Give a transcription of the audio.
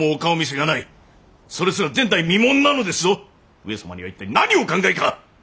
上様には一体何をお考えか！